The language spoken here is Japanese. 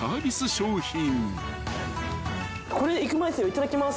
いただきます。